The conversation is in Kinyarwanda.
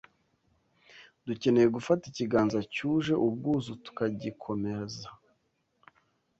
Dukeneye gufata ikiganza cyuje ubwuzu tukagikomeza